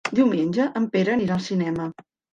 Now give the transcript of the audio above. Diumenge en Pere anirà al cinema.